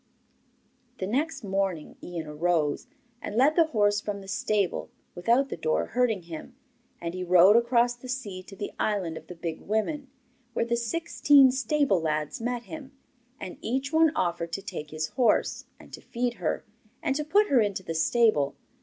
The next morning Ian arose, and led the horse from the stable, without the door hurting him, and he rode across the sea to the island of the Big Women, where the sixteen stable lads met him, and each one offered to take his horse, and to feed her, and to put her into the stable.